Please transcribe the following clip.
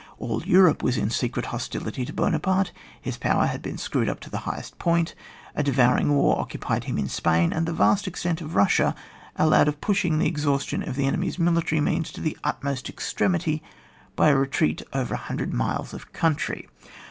All Europe was in secret hostility to Buonaparte, his power had been screwed up to the highest point, a de vouring war occupied him in Spain, and the vast extent of Bussia allowed of pushing the exhaustion of the enemy's military means to the utmost extremity by a retreat over a hundred miles of country.